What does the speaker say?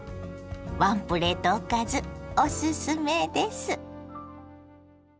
ワンプレートおかずおすすめです。